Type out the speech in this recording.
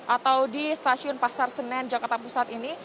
atau di stasiun pasar senen jakarta pusat ini